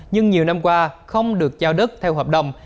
nhưng nhiều năm qua không được giao đất theo hợp đồng